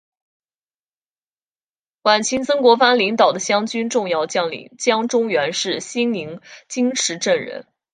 晚清曾国藩领导的湘军重要将领江忠源是新宁金石镇人。